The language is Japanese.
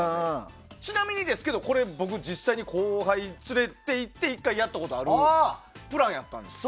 ちなみにですけど僕、実際に後輩を連れていって１回、やったことあるプランだったんです。